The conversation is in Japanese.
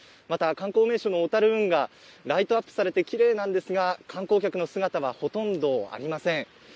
また観光名所の小樽運河、ライトアップされてきれいなんですが観光客の姿はほとんどありません。